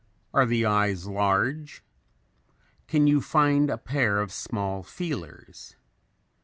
Are the eyes large? Can you find a pair of small feelers?